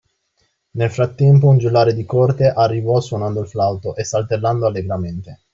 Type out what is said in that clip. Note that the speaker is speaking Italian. Nel frattempo, un giullare di corte arrivò suonando il flauto e saltellando allegramente